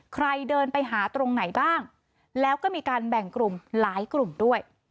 ใครเดินไปหาตรงไหนบ้างแล้วก็มีการแบ่งกลุ่มหลายกลุ่มด้วย